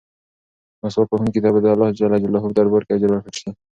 مسواک وهونکي ته به د اللهﷻ په دربار کې اجر ورکړل شي.